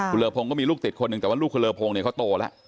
คุณเลอพงศ์ก็มีลูกติดคนหนึ่งแต่ว่าลูกคุณเลอพงเนี่ยเขาโตแล้ว